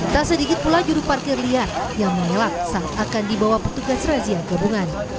tak sedikit pula juru parkir liar yang mengelak saat akan dibawa petugas razia gabungan